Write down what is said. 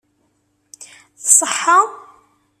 Tṣeḥḥa?